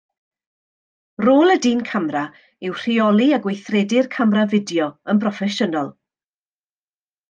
Rôl y dyn camera yw rheoli a gweithredu'r camera fideo yn broffesiynol